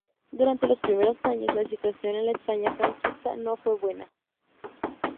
Durante los primeros años, la situación en la España franquista no fue buena.